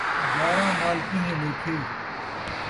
یاراں نال کیہیں لیکھے